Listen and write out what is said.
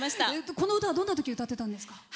この歌は、どんなときに歌ってたんですか？